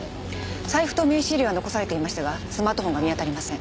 財布と名刺入れは残されていましたがスマートフォンが見当たりません。